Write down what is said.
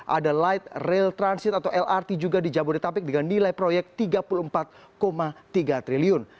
ada light rail transit atau lrt juga di jabodetabek dengan nilai proyek rp tiga puluh empat tiga triliun